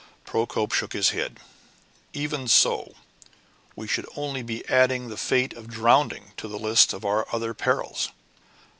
Procope shook his head. "Even so, we should only be adding the fate of drowning to the list of our other perils."